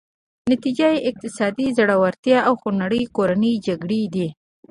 نتیجه یې اقتصادي ځوړتیا او خونړۍ کورنۍ جګړې دي.